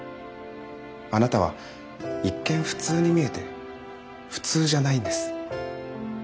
あなたは一見普通に見えて普通じゃないんです。